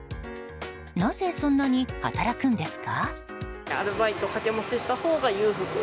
なぜ、そんなに働くんですか？